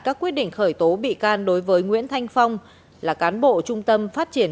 các quyết định khởi tố bị can đối với nguyễn thanh phong là cán bộ trung tâm phát triển